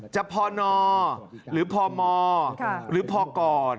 จะพอนหรือพอลหรือพอก